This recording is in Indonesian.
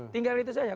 tinggal itu saja